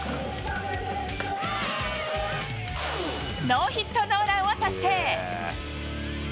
ノーヒットノーランを達成。